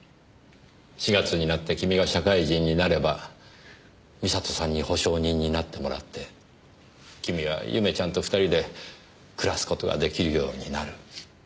４月になって君が社会人になれば美里さんに保証人になってもらって君は祐芽ちゃんと２人で暮らす事が出来るようになる。